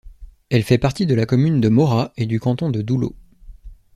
Elle fait partie de la commune de Mora et du canton de Doulo.